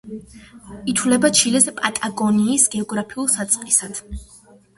ითვლება ჩილეს პატაგონიის გეოგრაფიულ საწყისად.